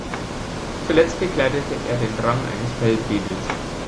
Zuletzt bekleidete er den Rang eines Feldwebels.